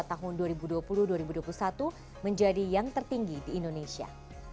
tahun dua ribu dua puluh dua ribu dua puluh satu menjadi yang tertinggi di indonesia